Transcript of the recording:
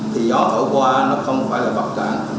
thì gió thở qua nó không phải là bọc cản